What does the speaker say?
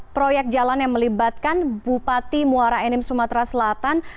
enam belas proyek jalan yang melibatkan bupati muara aenim sumatera selatan